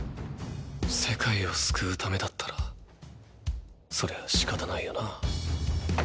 世界を救うためだったらそりゃあ仕方ないよなぁ。